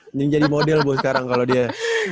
mending jadi model buat sekarang kalau dia